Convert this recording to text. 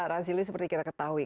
razilu seperti kita ketahui